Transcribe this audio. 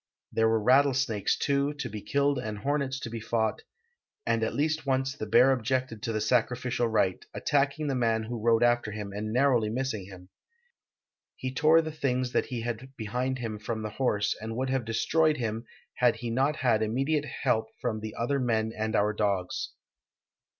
There were rattlesnakes, too, to be killed and hornets to be fought, and at least once the bear objected to the sacrificial rite, attacking the man who rode after him and narrowly missing him ;" he tore the things that he had behind him from the horse and would have destroyed him had he not had immediate help from the other men and our dogs."